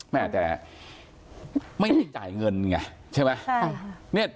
แม่แต่ไม่ได้จ่ายเงินไงใช่ไหม